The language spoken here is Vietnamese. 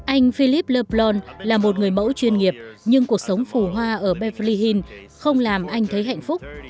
anh philip leblanc là một người mẫu chuyên nghiệp nhưng cuộc sống phù hoa ở beverly hills không làm anh thấy hạnh phúc